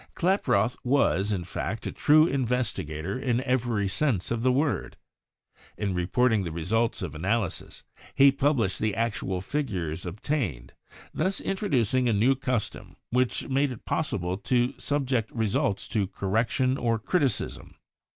Klaproth was, in fact, a true investigator in every sense of the word. In reporting the results of an analysis, he published the actual figures obtained, thus in troducing a new custom which made it possible to subject results to correction or criticism.